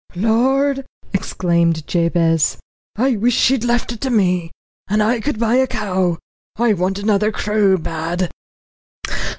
"Lord!" exclaimed Jabez. "I wish she'd left it to me, and I could buy a cow; I want another cruel bad."